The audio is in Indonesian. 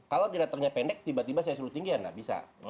kalau direkturnya pendek tiba tiba saya suruh tinggi ya nggak bisa